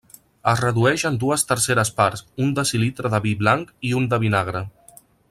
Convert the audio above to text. Es redueix en dues terceres parts, un decilitre de vi blanc i un de vinagre.